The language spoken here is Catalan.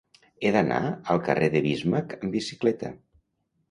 He d'anar al carrer de Bismarck amb bicicleta.